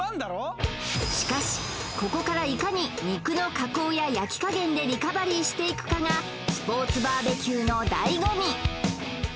しかしここからいかに肉の加工や焼き加減でリカバリーしていくかがスポーツバーベキューの醍醐味